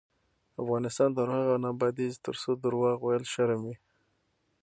افغانستان تر هغو نه ابادیږي، ترڅو درواغ ویل شرم وي.